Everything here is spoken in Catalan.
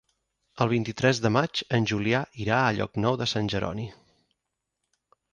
El vint-i-tres de maig en Julià irà a Llocnou de Sant Jeroni.